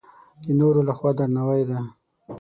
د نورو له خوا درناوی ده.